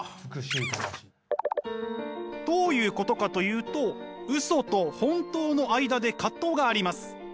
どういうことかというとウソと本当の間で葛藤があります。